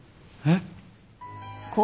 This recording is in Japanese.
えっ？